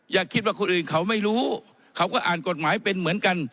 อย่าคิดว่าคนอื่นเขาไม่รู้เขาก็อ่านกฎหมายเป็นเหมือนกัน